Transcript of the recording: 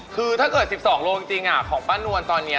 คือถ้าเกิด๑๒โลจริงของป้านวลตอนนี้